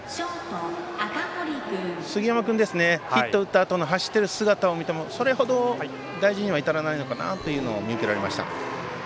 杉山君ヒット打ったあとの走ってる姿を見てもそれほど大事には至らないのかなというのを見受けられました。